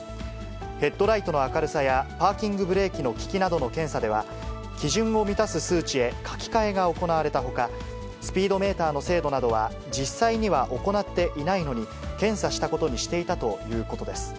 ヘッドライトの明るさやパーキングブレーキの利きなどの検査では、基準を満たす数値へ書き換えが行われたほか、スピードメーターの精度などは実際には行っていないのに、検査したことにしていたということです。